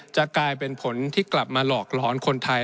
จะกลายเป็นผลที่กลับมาหลอกหลอนคนไทย